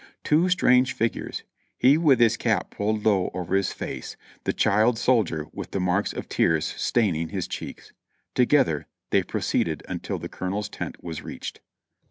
Two strange figures ; he with his cap pulled low over his face, the child soldier with the marks of tears staining his cheeks. Together they proceeded until the colonel's tent was reached.